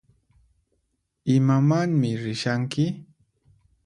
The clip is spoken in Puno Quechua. Imamanmi rishanki?